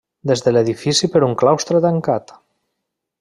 Des de l'edifici per un claustre tancat.